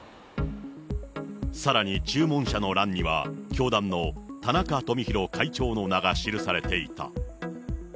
さらに注文者の欄には、教団の田中富廣会長の名が記されていた。